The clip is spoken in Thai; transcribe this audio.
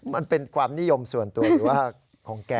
มันเป็นความนิยมส่วนตัวหรือว่าของแก